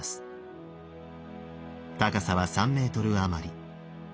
高さは３ｍあまり。